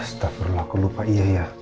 astagfirullah aku lupa iya ya